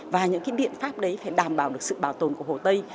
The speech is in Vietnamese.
và những biện pháp đấy phải đảm bảo được sự bảo tồn của hồ tây